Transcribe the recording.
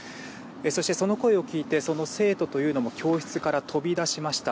そして、その声を聞いて生徒というのも教室から飛び出しました。